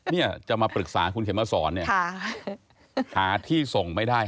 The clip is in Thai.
เนี่ยจะมาปรึกษาคุณเขมรสรหาที่ส่งไม่ได้